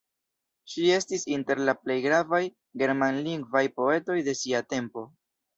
Ŝi estis inter la plej gravaj germanlingvaj poetoj de sia tempo.